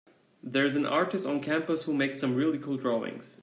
There’s an artist on campus who makes some really cool drawings.